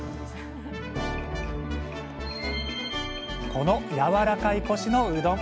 このやわらかいコシのうどん。